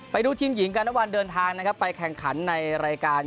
ไปดูทีมหญิงกันนะวันเดินทางนะครับไปแข่งขันในรายการ